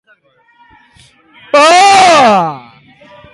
Filosofia modernoan espazioari buruzko ideiak zalantzan jarri ziren.